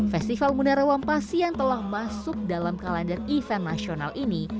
festival munarawang pasi yang telah masuk dalam kalender event nasional ini